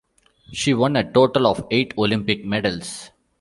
She won a total of eight Olympic medals.